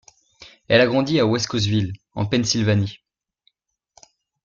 Elle a grandi à Wescosville, en Pennsylvanie.